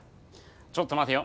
ちょっと待てよ。